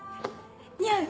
似合う？